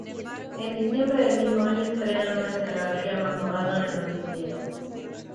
En diciembre del mismo año estrenan una escenografía más moderna en el noticiero.